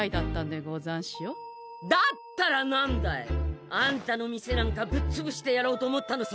だったらなんだい？あんたの店なんかぶっつぶしてやろうと思ったのさ。